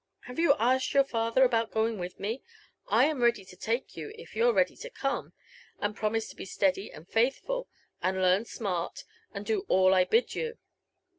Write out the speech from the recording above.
Have you asked your father about going with me? I am ready to take you, it you're ready to come, and promise to be steady and faithful, and learn smart, and do all I bid you."